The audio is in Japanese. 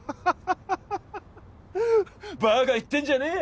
バカ言ってんじゃねえよ